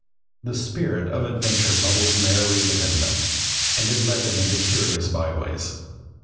The spirit of adventure bubbled merrily within them, and it led them into curious byways.